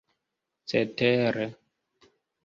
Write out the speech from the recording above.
cetere